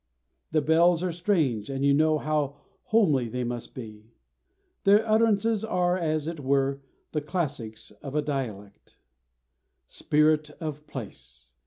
The bells are strange, and you know how homely they must be. Their utterances are, as it were, the classics of a dialect. Spirit of place!